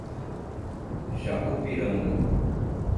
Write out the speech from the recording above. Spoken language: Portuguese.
Jacupiranga